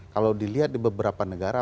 kalau dilihat di beberapa negara